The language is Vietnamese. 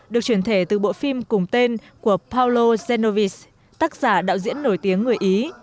được chuyển thể từ bộ phim cùng tên của paolo genovese tác giả đạo diễn nổi tiếng người ý